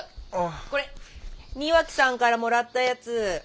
これ庭木さんからもらったやつ。